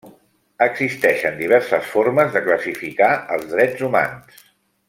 Existeixen diverses formes de classificar els drets humans.